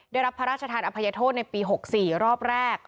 ได้รับพระราชทานอภัยโทษในปี๖๔รอบแรก